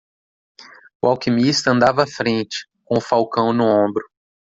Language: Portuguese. O alquimista andava à frente, com o falcão no ombro.